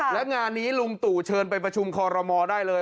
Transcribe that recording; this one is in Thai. และงานนี้ลุงตู่เชิญไปประชุมคอรมอลได้เลย